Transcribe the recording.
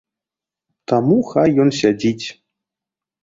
Таму хай ён сядзіць.